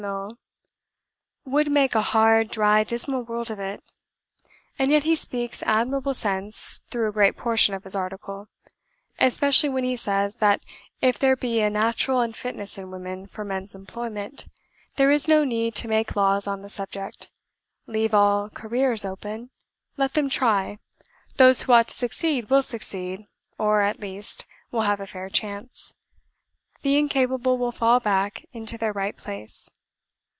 Mill would make a hard, dry, dismal world of it; and yet he speaks admirable sense through a great portion of his article especially when he says, that if there be a natural unfitness in women for men's employment, there is no need to make laws on the subject; leave all careers open; let them try; those who ought to succeed will succeed, or, at least, will have a fair chance the incapable will fall back into their right place.